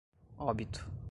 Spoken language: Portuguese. óbito